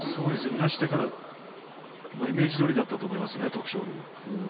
いなしてからイメージどおりだったと思いますね徳勝龍。